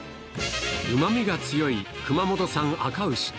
うまみが強い熊本産あか牛。